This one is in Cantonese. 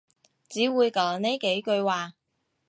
只會講呢幾句話